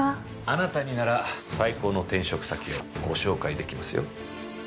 あなたになら最高の転職先をご紹介できますよ。